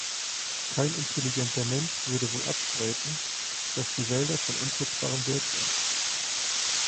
Kein intelligenter Mensch würde wohl abstreiten, dass die Wälder von unschätzbarem Wert sind.